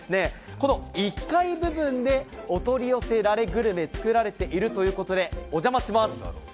この１階部分でお取り寄せられグルメが作られているということで、お邪魔します。